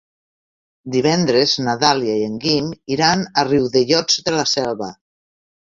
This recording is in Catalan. Divendres na Dàlia i en Guim iran a Riudellots de la Selva.